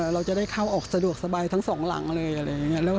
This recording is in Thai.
เราจะได้เข้าออกสะดวกสบายทั้งสองหลังเลย